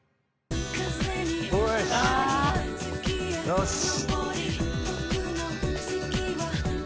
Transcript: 「よし！」